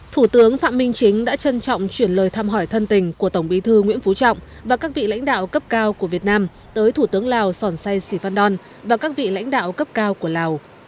thủ tướng phạm minh chính đã trân trọng chuyển lời thăm hỏi thân tình của tổng bí thư nguyễn phú trọng và các vị lãnh đạo cấp cao của việt nam tới thủ tướng lào sòn sai sì phan đòn và các vị lãnh đạo cấp cao của lào